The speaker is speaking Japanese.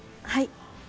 はい。